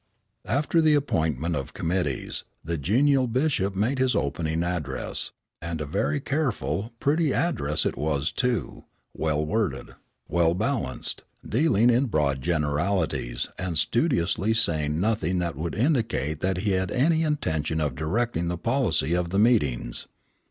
After the appointment of committees, the genial bishop began his opening address, and a very careful, pretty address it was, too well worded, well balanced, dealing in broad generalities and studiously saying nothing that would indicate that he had any intention of directing the policy of the meetings.